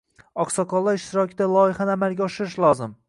Oqsoqollar ishtirokida loyihani amalga oshirish lozim.